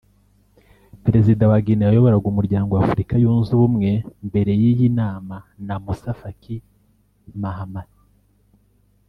Perezida wa Guinnée wayoboraga umuryango w’Afrika yunze ubumwe mbere y’iyi nama na Moussa Faki Mahamat